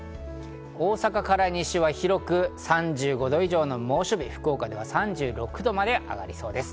大阪から西は広く、３５度以上の猛暑日、福岡では３６度まで上がりそうです。